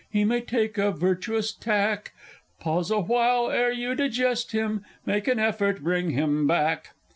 (He may take a virtuous tack); Pause awhile, ere you digest him, Make an effort bring him back!